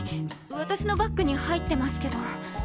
私のバッグに入ってますけど。